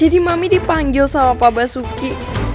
jadi mami dipanggil sama pak basuki